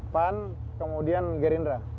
pan kemudian gerindra